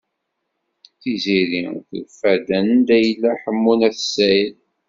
Tiziri tufa-d anda yella Ḥemmu n At Sɛid.